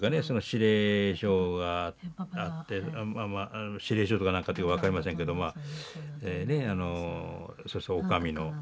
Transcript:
その指令書があって指令書とか何かって分かりませんけどまあお上の